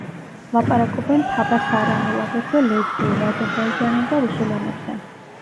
ლაპარაკობენ თაბასარანულ, აგრეთვე ლეზგიურ, აზერბაიჯანულ და რუსულ ენებზე.